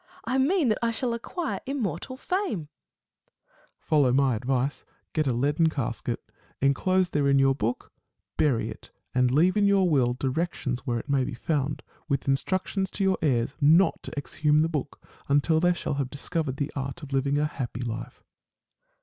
I mean that I shall acquire immortal fame. Met. Follow my advice. Get a leaden casket ; enclose therein your book ; bury it ; and leave in your will direc tions where it may be found, with instructions to your heirs not to exhume the book until they shall have dis covered the art of living a happy life.